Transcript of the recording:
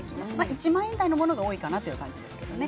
１万円台のものが多いかなという感じですけどね。